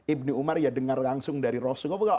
ibni umar ya dengar langsung dari rasulullah